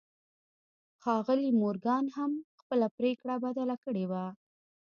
ښاغلي مورګان هم خپله پرېکړه بدله کړې وه.